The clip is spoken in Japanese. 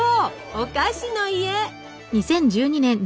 お菓子の家。